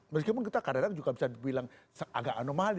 meskipun kita kadang kadang juga bisa dibilang agak anomali